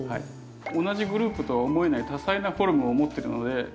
同じグループとは思えない多彩なフォルムを持ってるので。